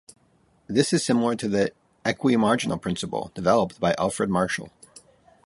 This is similar to the "equi-marginal principle" developed by Alfred Marshall.